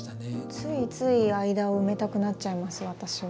ついつい間を埋めたくなっちゃいます私は。